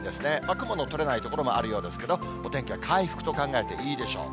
雲の取れない所もあるようですけれども、お天気は回復と考えていいでしょう。